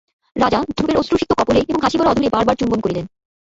রাজা ধ্রুবের অশ্রুসিক্ত কপোলে এবং হাসিভরা অধরে বার বার চুম্বন করিলেন।